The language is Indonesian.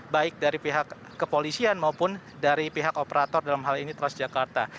baik dari pihak kepolisian maupun dari pihak operator dalam hal ini transjakarta